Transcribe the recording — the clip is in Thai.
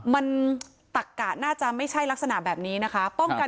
มันตักกะน่าจะไม่ใช่ลักษณะแบบนี้นะคะป้องกัน